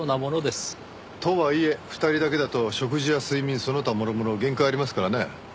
とはいえ２人だけだと食事や睡眠その他もろもろ限界ありますからね。